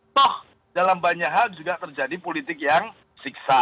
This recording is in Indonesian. toh dalam banyak hal juga terjadi politik yang siksa